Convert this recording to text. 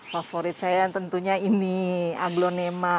favorit saya tentunya ini aglonema